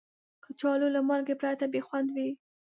کچالو له مالګې پرته بې خوند وي